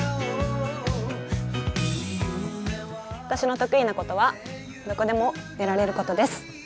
私の得意なことは、どこでも寝られることです。